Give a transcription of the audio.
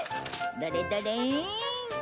どれどれ。